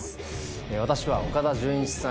私は岡田准一さん